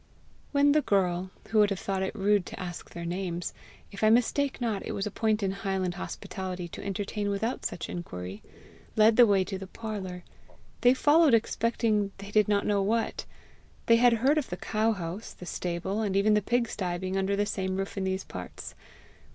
When the girl, who would have thought it rude to ask their names if I mistake not, it was a point in highland hospitality to entertain without such inquiry led the way to the parlour, they followed expecting they did not know what: they had heard of the cowhouse, the stable, and even the pigsty, being under the same roof in these parts!